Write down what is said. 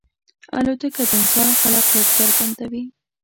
الوتکه د انسان خلاقیت څرګندوي.